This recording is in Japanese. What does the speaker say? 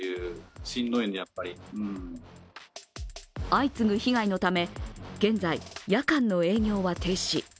相次ぐ被害のため、現在夜間の営業は停止。